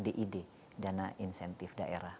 did dana insentif daerah